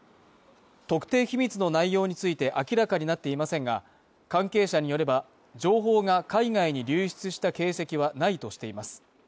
特定秘密の内容について明らかになっていませんが、関係者によれば、情報が海外に流出した形跡はないとしています。